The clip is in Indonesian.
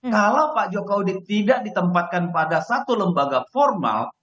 kalau pak jokowi tidak ditempatkan pada satu lembaga formal